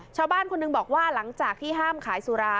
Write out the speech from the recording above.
ชาวบ้านคนหนึ่งบอกว่าหลังจากที่ห้ามขายสุรา